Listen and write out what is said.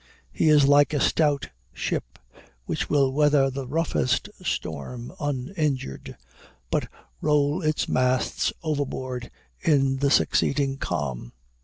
He is like a stout ship, which will weather the roughest storm uninjured, but roll its masts overboard in the succeeding calm.